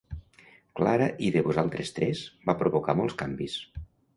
Clara i de vosaltres tres va provocar molts canvis.